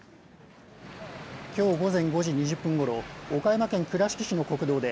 きょう午前５時２０分ごろ、岡山県倉敷市の国道で、